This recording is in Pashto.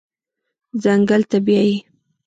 ځنګل ته بیایي